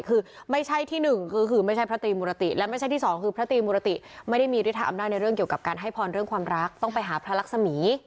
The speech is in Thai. คือไม่ใช่ที่หนึ่งก็คือไม่ใช่พระตรีมุรติและไม่ใช่ที่สองคือพระตรีมุรติไม่ได้มีฤทธาอำนาจในเรื่องเกี่ยวกับการให้พรเรื่องความรักต้องไปหาพระรักษมี